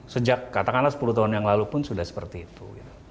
sejak katakanlah sepuluh tahun yang lalu pun sudah seperti itu